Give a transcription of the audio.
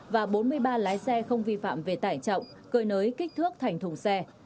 và bốn mươi ba lái xe không vi phạm về tải trọng cơi nới kích thước thành thùng xe